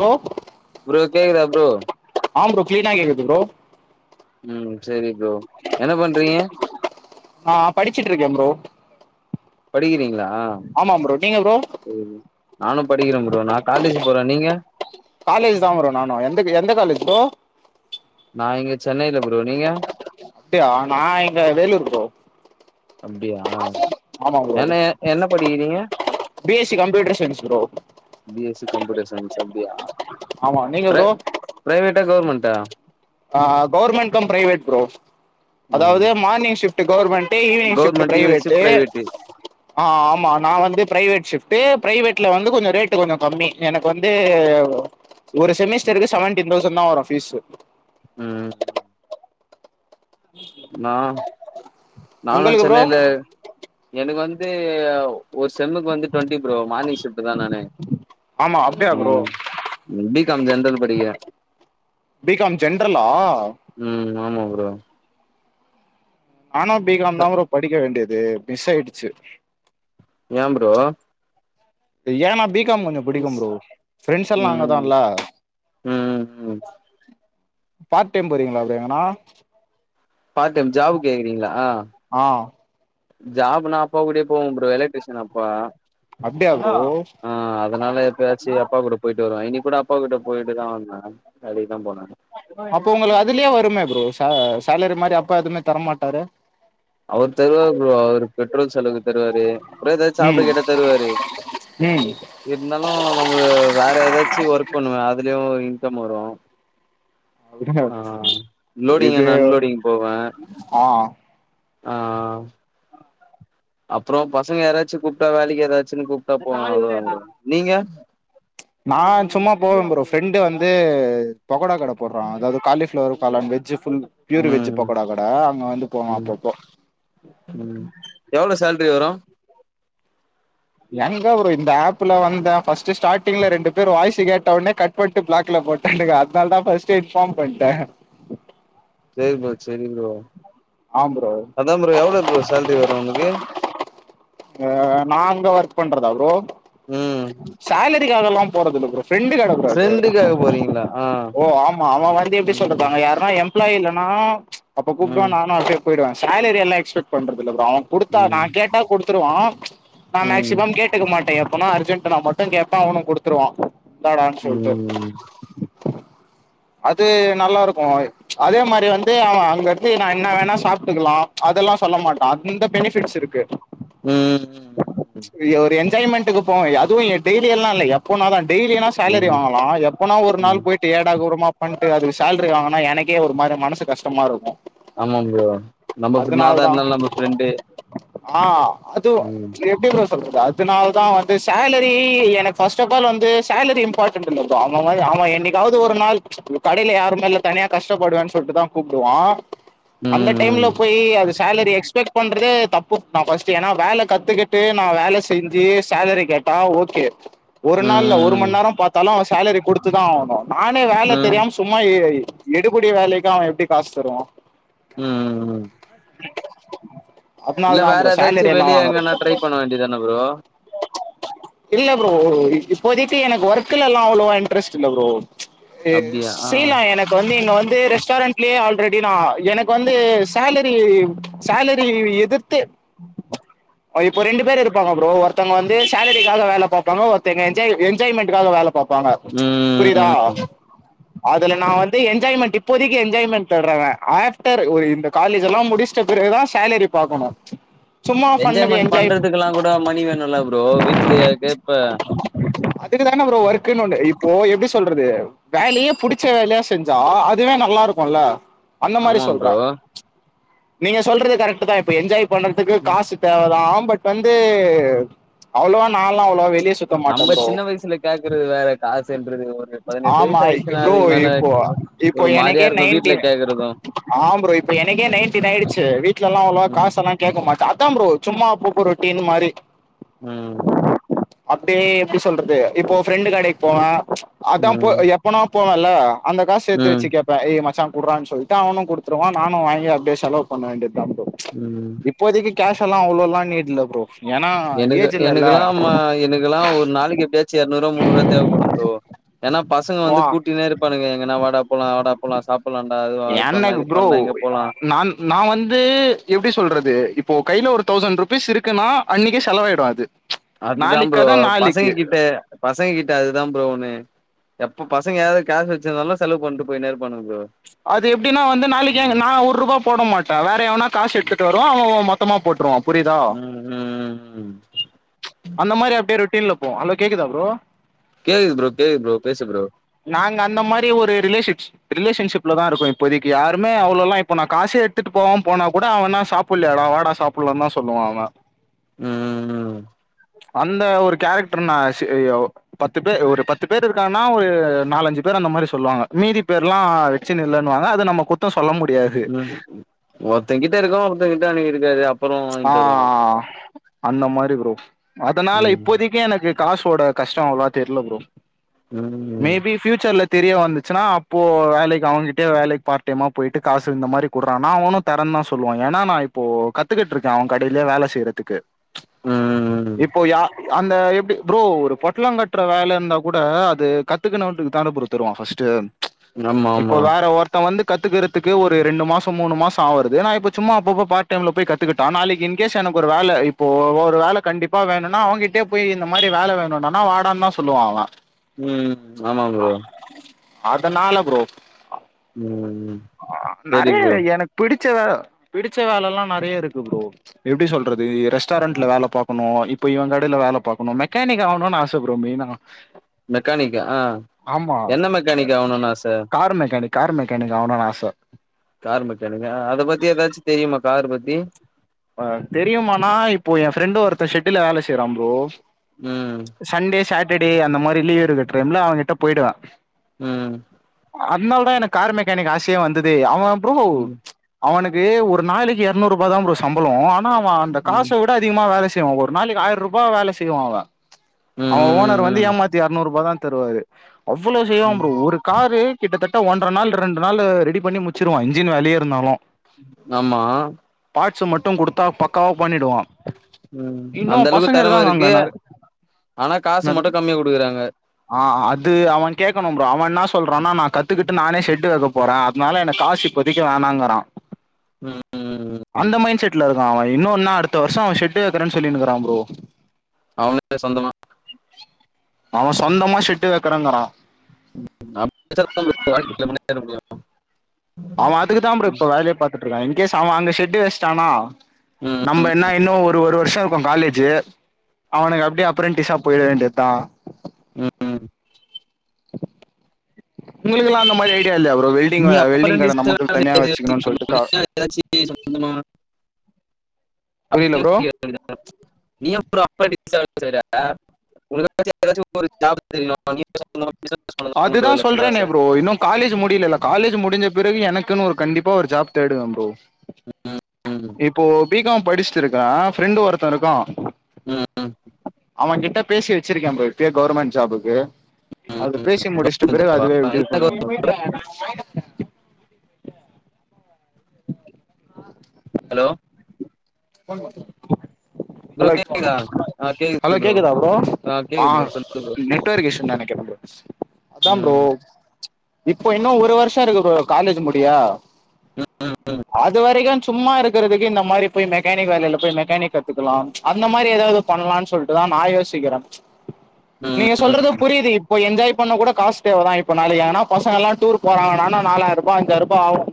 Hello bro கேக்குதா bro ஆமா bro க்ளீனா கேக்குது ப்ரோ ம் செரி ப்ரோ என்ன பண்றீங்க ஆ படிச்சிட்ருக்கே ப்ரோ படிக்கிறீங்களா ஆமா ப்ரோ நீங்க ப்ரோ சேரி நானு படிக்ற ப்ரோ நா காலேஜ் போறே நீங்க காலேஜ் தா ப்ரோ நானு எந்தகு எந்த காலேஜ் ப்ரோ நா இங்க சென்னையில ப்ரோ நீங்க ப்டியா நா இங்க வேலூர் ப்ரோ அப்டியா ஆமா ப்ரோ என்ன என்ன படிக்கிறீங்க B S C computer science bro B S C computer science அப்டியா ஆமா நீங்க ப்ரோ ப்ரைவேட்டா கவுர்மெண்ட்டா ஆ கவர்மெண்ட் கம் பிரைவேட் ப்ரோ ம் அதாவது morning shift government evening shift government university private ஆ ஆமா நா வந்து பிரைவேட் ஷிஃப்டு பிரைவேட்ல வந்து கொஞ்சோ ரேட்டு கொஞ்சோ கம்மி எனக்கு வந்து ஒரு செமிஸ்டருக்கு செவண்டி தௌசண்ட் தா வரு ஃபீஸு ம் நா நானு உங்களுக்கு ப்ரோ சென்னைல எனக்கு வந்து ஒரு செம்முக்கு வந்து டொண்ட்டி ப்ரோ மார்னிங் ஷிப்ட்டு தா நானு ஆமா அப்டியா ப்ரோ ம் ம் பி காம் ஜென்ரல் படிக்கிறே பி காம் ஜென்ரலா ம் ஆமா ப்ரோ நானூ பி காம் தா படிக்க வேண்டியது மிஸ் ஆயிடுச்சு ஏ ப்ரோ ஏனா பி காம் கொஞ்சொ புடிக்கூ ப்ரோ ஃப்ரெண்ட்ஸ்ல்லா அங்கதா ம் இல்ல ம் ம் பார்ட்டைம் போறீங்ளா ப்ரோ எங்கனா பார்டைம் ஜாபு கேக்குறீங்ளா ஆ ஜாப்னா அப்பா கூடயே போவ ப்ரோ எலக்ட்ரிஷியன் அப்பா அப்டியா ப்ரோ ஆ அதனால எப்பயாச்சு அப்பா கூட போ போயிட்டு வருவ இனிக் கூட அப்பா கூட போயிட்டுதா வந்த வேலக்கி தா போனே அப்ப ஒங்களுக்கு அதுலே வருமே ப்ரோ சே சேலரி மாரி அப்பா எதுவுமே தரமாட்டாரு அவரு தருவா ப்ரோ அவரு பெட்ரோல் செலவுக்கு தருவாரு அப்றோ ஏதா ம் சாப்ட கேட்டா தருவாரு ம் இருந்தாலு நம்ம வேற ஏதாச்சு ஒர்க் பண்ணுவ அதுலயு இன்கம் வரு ஆ லோடிங் இது அன்ட் அன்லோடிங் போவே ஆ அ அப்றோ பசங்க யாராச்சு கூப்ட்டா வேலக்கி எதாச்சுன் கூப் ட்டா போவ அவ்ளதா ப்ரோ நீங்க நா சும்மா போவேன் ப்ரோ ஃப்ரெண்டு வந்து பகோடா கட போட்றா அதாது காலிஃப்ளவர் காளான் வெஜ்ஜு ஃபுல் பியூர் வெஜ் ம் பக்கோடா கட அங்க வந்து போவோ ம் அப்பப்போ ம் எவ்ளோ சேல்ரி வரு எங்க ப்ரோ இந்த ஆப்ல வந்த ஃபஸ்ட் ஸ்டார்டிங்ல ரெண்டு பேர் வாய்ஸ கேட்டவுனே கட் பண்ட்டு பிளாக்ல போட்டே அதனால தா ஃபர்ஸ்ட்டு இன்ஃபார்ம் பண்ணிட்ட செரி ப்ரோ செரி ப்ரோ ஆ ப்ரோ அதா ப்ரோ எவ்ளோ ப்ரோ சேல்ரி வரு உனக்கு இப்ப நாங்க ஒர்க் பண்றதா ப்ரோ ம் சேலரிக்காகல்லா போறதில்ல ப்ரோ ஃப்ரெண்டு கட ப்ரோ அது ஃப்ரெண்டுக்காக போறீங்களா ஆ ஓ ஆமா அவ வந்து எப்டி சொல்றது ம் அங்க யாரு நா எம்ப்ளாய் இல்லனா அப்ப கூப்பிடுவா ம் நானு அப்டிய போயிடுவே சேலரில்லா எக்ஸ்பெக்ட் பண்றது இல்ல ப்ரோ குடுத்தா நா ம் கேட்டா குடுத்துடுவா நா ம் மேக்சிமம் கே டுக்க மாட்ட எப்பனா அர்ஜென்ட்டுனா மட்டு கேப்ப அவனு குடுத்துருவா இந்தாடான் சொல்ட்டு ம் அது நல்லாருக்கு அதே மாரி வந்து அவ அங்கடுத்து நா என்னா வேணா சாப்ட்டுக்கலா அதெல்லா சொல்ல மாட்டா அந்த பெனிஃபிட்ஸ் இருக்கு ம் ம் இ ஒரு என்ஜாய்மெண்ட்டுக்கு போவோ அதுவு எ டெய்லியெல்லா இல்ல எப்போனாதா டெய்லியலா சேலரி ம் வாங்கலாம் எப்பனா ஒரு நாள் ம் போயி ட்டு ஏடாகூடமா பண்ணிட்டு அதுக்கு சேலரி வாங்கனா எனக்கே ஒரு மாரி மனசு கஷ்டமா இருக்கும் ஆமாம் ப்ரோ நம்ம ஃப் நாதா இருந்தாலு தான் நம்ம ஃப்ரெண்டு ஆ அதுவு ம் எப் எப்டி ப்ரோ சொல்றது அதனால தான் வந்து சேலரி எனக்கு ஃபஸ்ட்டப்பால் வந்து சேலரி இம்பார் டன்ட் இல்ல ப்ரோ அவன் அவன் என்னைக்காவது ஒரு நாள் கடையில யாருமேயில்ல தனியா கஷ்டப்படுவேன்னு சொல்லிட்டுதான் கூப்டுவான் அந்த டைம்ல ம் ம் போய் அது சேலரி எக்ஸ்பெக்ட் பண்றதே தப் நா ஃபஸ்ட்டு ஏனா வேல கத்துக்கிட்டு நா வேல செஞ்சு சேலரி கேட்டா ஓகே ஒரு நாள் இல்ல ஒரு ம் மண் நேர பாத்தாலு அவ சேலரி குடுத்துதா ஆகணு நானே ம் வேல ம் தெரியாம சும்மா எ எடுபுடி வேலைக்கு அவ எப்படி காசு தருவா ம் ம் ம் இல்ல அதனாலதா வேற ப்ரோ ஏதாச்சு சேலரி எல்லா வெளிய வாங்கறது எங்கன்னா ட்ரை பண்ண வேண்டியதான ப்ரோ இல்ல ப்ரோ இப்போதைக்கு எனக்கு ஒர்க்ல எல்லா அவ்ளோவா இன்ட்ரெஸ்ட் இல்ல ப்ரோ அப்டியா ஆ செய்லா எனக்கு வந்து இங்க வந்து ரெஸ்டாரண்ட் லயே ஆல்ரெடி நா எனக்கு வந்து சேலரி சேலரி எது த்து இப்ப ரெண்டு பேர் இருப்பாங்க ப்ரோ ஒருத்தவங்க வந்து சேலரிக்காக வேல பாப்பாங்க ஒருத்தங்க என்ஜாய் என்ஜாய்மெண்ட்டுக்காக வேல பாப்பாங்க ம் ம் அதுல நா வந்து என்ஜாய்மெண்ட் இப்போதைக்கு என்ஜாய்மெண்ட் தேடறவ ஆஃப்டர் ஒரு இந்த காலேஜ் எல்லா முடிச்சிட்ட பிறகுதா சேலரி பாக்கணு என்ஜாய்மெண்ட் பண்றதுக்கெல்லா கூட மணி வேணுல்ல ப்ரோ வீட்லயா கேப்ப அதுக்குதான ப்ரோ ஒர்க்குன்னு ஒன்னு இப்போ எப்டி சொல்றது வேலையே புடிச்ச வேலையா செஞ்சா அதுவே நல்லாருக்குல்ல அந்த மாரி ஆமா சொல்ற ப்ரோ நீங்க சொல்றது கரெக்ட்டுதா இப்ப என்ஜாய் பண்ணறதுக்கு காசு தேவதா பட் வந்து அவ்வளவா நால்லா அவ்ளவா வெளிய சுத் நம்ம சின்ன வயசுல கேக்குறது வேற காசுன்றது ஒரு பதினெட்டு வயசு ஆயிருச்சுனா அதுக்கு மேல ப்ப இப்போ ஒரு மாரியா எனக்கே இருக்கு வீட்ல நெயன்டீனு கேக்குறது ஆ ப்ரோ இப்ப எனக்கே ம் நெயன்டின் ஆயிருச்சு வீட்லெலா அவ்வளவா ம் காசெல்லா கேக்க மாட்ட அதா ப்ரோ சும்மா பூப்பு ரொட்டின் மாரி ம் அப்டே எப்டி சொல்றது இப்போ ஃப்ரெண்டு கடைக்கு போவ அதா போ ம் எப் பனா போவல்ல அந்த காச சேத்து ம் வெச்சு கேப் ப ஏ மச்சா குடறான் சொல்ட்டு அவுனு குடுத்துருவா நானு வாங்கி அப்டியே செலவு பண்ண வேண்டியதா ப்ரோ ம் இப்போதக்கு கேஷ் எல்லா அவ்ளோல்லா இனி இல்ல ப்ரோ ஏனா எனக்கு எனக்கெலா ம எனக்கெலா ஒரு நாளைக்கு எப்டியாச்சு எரநூறுவா முன்னூறுவா தேவப்படும் ப்ரோ ஏனா பசங்க வந்து வா கூட்டினே இருப்பானுங்க எங்கனா வாடா போலா வாடா போலா சாப்படலான்டா அதுவா அது பண்லா எனக்கு இது ப்ரோ பண்லா இங்க போலா நான் நா வந்து எப்டி சொல்றது இப்போ கைல ஒரு தௌசண்ட் ருபீஸ் இருக்குன்னா அன்னைக்கே செலவாயிடு அது அதுதா நாளைக்கு ப்ரோ கத பசங்க நாளைக்கு கிட்ட பசங்க கிட்ட அதுதாம் ப்ரோ ஒண்ணு எப்ப பசங்க எதாவது காசு வெச்சிருந்தாங்னா செலவு பண்ணிட்டு போயினே இருப்பாணுக ப்ரோ அது எப்படினா வந்து நாளைக்கு ம் நா ஒர்ருபா போட மாட்ட வேற எவனா காசு எடுத்துட்டு வ ருவா அவ மொத்தமா போட்ருவா புரிதா ம் ம் அந்த மாரி அப்டியே ரொட்டீன்ல போகு ஹலோ கேக்குதா ப்ரோ கேக்குது ப்ரோ கேக்குது ப்ரோ பேசு ப்ரோ நாங்க அந்த மாரி ஒரு ரிலேஷிப்ஸ் ரிலேஷன்ஷிப்லதா இருக்கோ இப்போதைக்கு யாருமே அவ்ளோலா இப்ப நா காசே எடுத்துட்டு போகாம போனா கூட அவனா சாப் ப்புல்லயாடா வாடா சாப்படலான்தா சொல்லுவா அவ ம் அந்த ஒரு கேரக்டர் நா சேயோ பத்து பேர் ஒரு பத்து பேர் இருக்கான்னா ஒரு நாலஞ்சு பேர் அந்த மாரி சொல்லுவாங்க மீதி பேர்ல்லா மிசின் இல்லேன்வாங்க அது நம்ம குத்தம் சொல்ல முடி உம் ஒருத்தங்கிட்ட இருக்கு ஒருத்தங்கிட்ட அன்னைக் இருக்காது அப் ஆ அந்த மாரி ப்ரோ அதனால ம் இப்போதிக் இங்கயே எனக்கு காசோட கஷ்டோ அவ்ளவா தெர்ல ப்ரோ உம் மேபி ஃபியூச்சர்ல தெரிய வந்துச்சுன்னா அப்போ வேலைக் அவங்ககிட்டயே வேலைக் பார்ட் டைமா போயிட்டு காசு இந்த மாரி குட்றான்னா அவனு தரன்தா சொல்லுவா ஏனா நா இப்போ கத் த்துக்கிட் இருக்கே அவ கடையிலயே வேல செய்றதுக்கு ம் இப்போ யா அந்த எப்டி ப்ரோ ஒரு பொட்லோ கட்டுற வேல இருந்தா கூட அது கத்துக்குணவன்க்குதான ப்ரோ தருவா ஃபஸ்ட்டு ஆமா இப்போ ஆமா வேற ஒர்க் த்த வந்து கத்துக்கிறதுக்கு ஒரு ரெண்டு மாசோ மூணு மாசோ ஆவறது ஏனா இப்ப சும்மா அப்பப்ப பார்ட் டைம்ல போய் கத் த்துக்கிட்டா நாளைக்கு இன்கேஸ் எனக்கு ஒரு வேல இப்போ ஒ ஒரு வேல கண்டிப்பா வேணுனா அவங்கிட்டயே போயி இந்த மாரி வேல வேணுனா னா வாடான்தா சொல்லுவா அவ ம் ஆமா ப்ரோ அதனால ப்ரோ ம் அ சரி நெறைய ப்ரோ இருக் எனக்கு பிடிச்ச வேல பிடிச்ச வேலல்லா நெறைய இருக்கு ப்ரோ எப்டி சொல்றது ரெஸ்டாரெண்ட்ல வேல பாக்கணு இப்ப இவ கடையில வேல பாக்கணு மெக்கானிக் ஆவணுன் ஆச ப்ரோ மெய்னா மெக்கானிக்கா ஆ ஆமா. என்ன மெக்கானிக் ஆவணுனு ஆச கார் மெக்கானிக் கார் மெக்கானிக் ஆவணுனு ஆச கார் மெக்கானிக்கா அத பத்தி ஏதாச்சு தெரியுமா கார் பத்தி அ தெரியுமானா இப்போ எ ஃப்ரெண்டு ஒருத்த ஷெட்டுல வேல செய்றா ப்ரோ உம் சண்டே சாட்டர்டே அந்த மாரி லீவ் எடுக்கற டைம்ல அவகிட்ட போயிடுவ உம் அத்னால தா எனக் கார் மெக்கானிக் ஆசயே வந்ததே அவ ப்ரோ ம் ம் அவனுக்கு ஒரு நாளைக்கு எறநூறுபா தா ப்ரோ சம்பளோ ஆனா அவ அந்த காச விட் விட அதிகமா வேல செய்வா ஒரு நாளைக் ஆயர்ருபா வேல செய்வா அவ ம் அவ ஓனர் வந்து ம் ம் ஏமாத்தி எறநூறுபா தா தருவாரு அவ்ளோ செய்வா ம் ப்ரோ ஒரு காரு கிட்டத்தட்ட ஒன்ற நாள் ரெண்டு நாளு ரெடி பண்ணி முச்சுடுவா இன்ஜின் வேலையே இருந்தாலு நம்மா சு மட்டு குடுத்தா பக்காவா பண்ணிடுவா உம் இன்னு அந்த அளவுக் பசங்க தெரம இருக்காங்க இருக்கு அங்க நெற ஆனா காசு என்னது மட்டு கம்மியா குடுக்குறாங்க ஆ அ அது அவ கேக்கணு ப்ரோ அவ என்னா சொல்றான்னா நா கத்துக்கிட்டு நானே ஷெட்டு வெக்க போறே அத்னால எனக் காஸ் இப்போதைக்கு வேணாங்கறா உம் உம் அந்த மைண்ட் செட்ல இருக்கா அவ இன்னொன்னா அடுத்த வருஷோ அவ ஷெட்டே வெக்றேன் சொல்லின் இருக்கறா ப்ரோ அவங்க [inaudible] சொந்தமா அவ சொந்தமா ஷெட்டு வெக்கறேங்கறா [inaudible] அவ அதுக்குதா ப்ரோ ம். இப்ப வேலயே பாத்துட்ருக்கா இன்கேஸ் அவ அங்க ஷெட்டு் வெச்டானா ம், நம்ம என்னா இன்னு ஒரு ஒரு வருஷோ இருக்கோ காலேஜு அவனுக்கு அப்டியே அப்ரெண்டிஸா போயிட வேண்டியதா உம் உம் உங்குளுகுலா அந்த மாரி ஐடியா இல்லியா ப்ரோ நீ வெல்டிங்வே வெல்டிங் கட நமக்குன் தனியா வெச்சுகுனுன் சொல்ட்டு க எதாச்சி சொந்தமா புரியல ப்ரோ [unintelligible] [unintelligible] நீ ஏ ப்ரோ அப்ரென்டிஸா வேல செய்ற [inaudible] எதாச்சு ஜாபு தெரியு அதுதா சொல்றேனே ப்ரோ [unintelligible] இன்னு காலேஜ் முடிலல்ல காலேஜ் முடிஞ்ச பிறகு எனக்குனு ஒரு கண்டிப்பா ஒரு ஜாப் தேடுவேம் ப்ரோ ம் ம் இப்போ பிகாம் படிச்ட்ருக்கே ஃப்ரெண்டு ஒருத்த இருக்கா ம் அவ கிட்ட பேசி வெச்சிருக்கேம் ப்ரோ இப்யே கவுர்மெண்ட் ஜாபுக்கு ம். அது பேசி முடிச்ட பிறகு ஆ? அதுவே எப்டி என்ன பண்ண [unintelligible] ஆ ஹலோ ஒன் ப்ரோ ஹலோக் கேக்குதா ஆ கேக்குது ஹலோ கேக்குதா ப்ரோ ஆ கேக்குது ப்ரோ சொல்லு ப்ரோ நெட் ட்வொர்க் இஸ்யூன் நெனக்கிறேம் ப்ரோ அதாம் ப்ரோ ம் இப்போ இன்னு ஒரு வர்ஷோ இருக்கு ப்ரோ காலேஜூ முடிய ம் அதுவரைக்குந் சும்மா இருக்கறதுக்கு இந்த மாரிப் போய் மெக்கானிக் வேலைல போய் மெக்கானிக் கத்துகலாம் அந்த மாரி எதாவது பண்லான் சொல்ட்டுதா நா யோசிக்கிறேம் ம் நீங்க சொல்றதுப் புரியிதிப் இப்ப என்ஜாய் பண்ண கூட காச் தேவதா இப்ப நாளைகானாப் பசங்களா டூர் போறாங்கனா நா நாலாயிரபா அஞ்சாயிரபா ஆவு